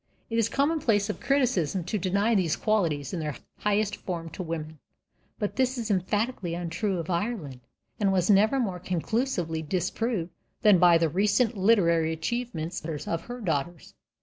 It is a commonplace of criticism to deny these qualities in their highest form to women. But this is emphatically untrue of Ireland, and was never more conclusively disproved than by the recent literary achievements of her daughters.